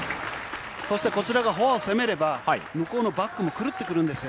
そしてこちらがフォアを攻めれば、向こうのバックも狂ってくるんですよ。